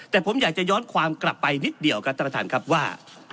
แต่ผมอยากจะย้อนความกลับไปนิดเดียวครับท่านประธานครับว่า